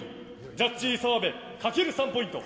ジャッジ澤部、かける３ポイント。